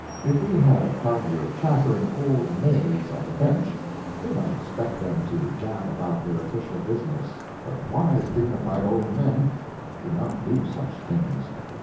If we had a party of chattering old maids on the bench, we might expect them to gad about their official business, but wise, dignified old men do not do such things.